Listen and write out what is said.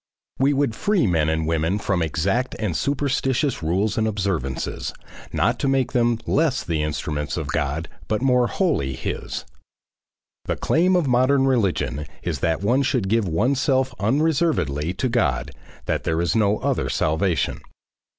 We would free men and women from exact and superstitious rules and observances, not to make them less the instruments of God but more wholly his. The claim of modern religion is that one should give oneself unreservedly to God, that there is no other salvation.